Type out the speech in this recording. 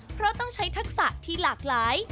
เพราะต้องใช้ทักษะที่หลากหลาย